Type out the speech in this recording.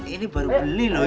ini baru beli loh